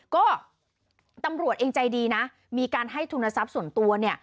ก็ตำรวจเองใจดีนะมีการให้ทุนทรัพย์ส่วนตัวเนี่ย